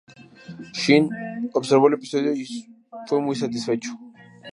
Sheen observó el episodio y fue muy satisfechos.